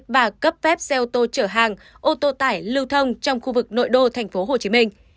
và cấp phép xe ô tô trở hàng ô tô tải lưu thông trong khu vực nội đô tp hcm